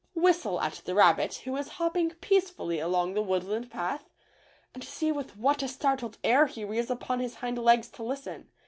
Whistle at the rabbit who is hopping peace fully along the woodland path, and see with what a startled air he rears upon his hind legs to listen.